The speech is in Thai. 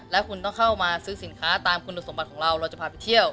และคุณต้องเข้ามาซื้อสินค้าตามคุณสมบัติของเราเราจะพาไปเที่ยว